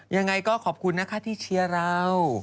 ยังไงก็ขอบคุณนะคะที่เชียร์เรา